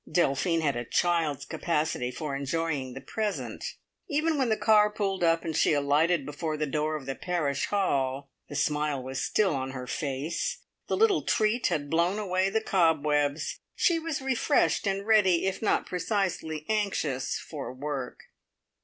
Delphine had a child's capacity for enjoying the present; even when the car pulled up and she alighted before the door of the "Parish Hall," the smile was still on her face. The little treat had blown away the cobwebs; she was refreshed and ready, if not precisely anxious, for work.